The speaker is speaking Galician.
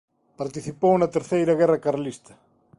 Participou na Terceira Guerra Carlista.